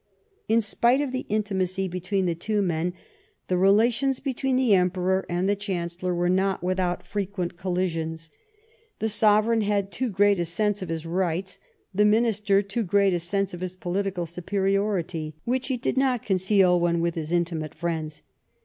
In spite of the intimacy between the two men, the relations between the Emperor and the Chan cellor were not without frequent coUi Relatlonswlthsions. The Sovereign had too great a ^U'Ik"^!? sense of his rights ; the Minister too and the Em ^.'. press Augusta great a sense of his political superiority, which he did not conceal when with his intimate friends.